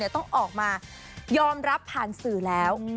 ต้องออกมายอมรับผ่านสื่อแล้ว